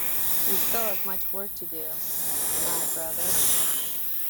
We still have much work to do... My brother.